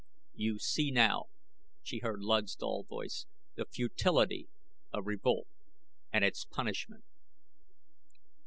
"You see now," she heard Luud's dull voice, "the futility of revolt and its punishment."